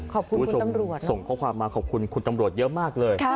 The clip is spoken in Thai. คุณผู้ชมส่งข้อความมาขอบคุณคุณตำรวจเยอะมากเลย